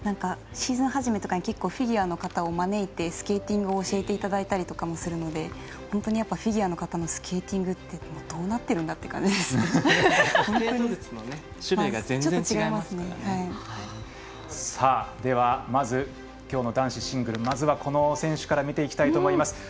シーズンはじめにフィギュアの方を招いてスケーティングを教えていただいたりするので本当にフィギュアの方のスケーティングってどうなっているんだという使う筋肉の種類がまずきょうの男子シングルまずはこの選手から見ていきたいと思います。